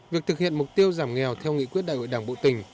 việc thực hiện mục tiêu giảm nghèo theo nghị quyết đại hội đảng bộ tỉnh